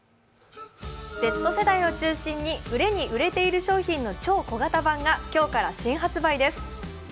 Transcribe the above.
Ｚ世代を中心に売れに売れている商品の超小型版が今日から新発売です。